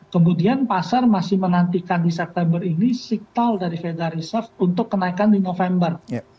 kemudian pasar masih menantikan di september ini siktal dari federa reserve untuk kenaikan di november